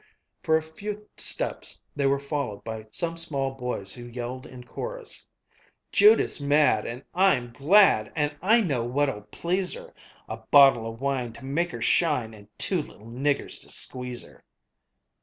For a few steps they were followed by some small boys who yelled in chorus: "Judith's mad and I'm glad, And I know what'll please her: A bottle of wine to make her shine, And two little niggers to squeeze her!"